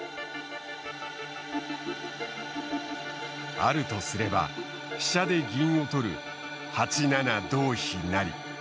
あるとすれば飛車で銀を取る８七同飛成。